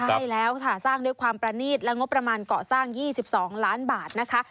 ใช่แล้วค่ะสร้างด้วยความประนีตและงบประมาณเกาะสร้าง๒๒ล้านบาทนะคะ